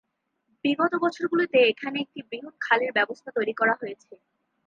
বিগত বছরগুলিতে এখানে একটি বৃহৎ খাল ব্যবস্থা তৈরি করা হয়েছে।